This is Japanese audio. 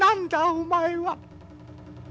お前は！